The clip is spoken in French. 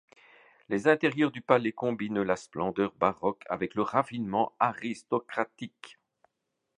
Les intérieurs du palais combinent la splendeur baroque avec le raffinement aristocratique.